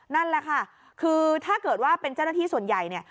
นั่นแหละค่ะคือถ้าเกิดว่าเป็นเจ้าหน้าที่ส่วนใหญ่เนี่ย